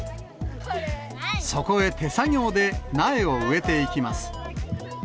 そこへ手作業で苗を植えていきます。